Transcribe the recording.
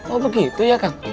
oh begitu ya kang